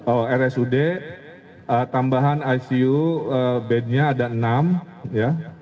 oh rsud tambahan icu bednya ada enam ya